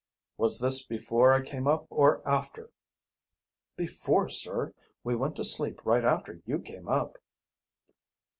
"Was this before I came up or after?" "Before, sir. We went to sleep right after you came up."